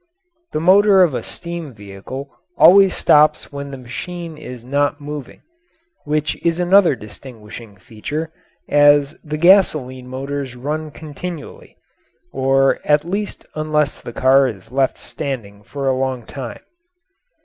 The motor of a steam vehicle always stops when the machine is not moving, which is another distinguishing feature, as the gasoline motors run continually, or at least unless the car is left standing for a long time.